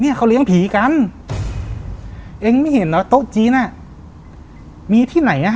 เขาเลี้ยงผีกันเองไม่เห็นอ่ะโต๊ะจีนอ่ะมีที่ไหนอ่ะ